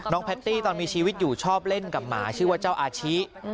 แพตตี้ตอนมีชีวิตอยู่ชอบเล่นกับหมาชื่อว่าเจ้าอาชิ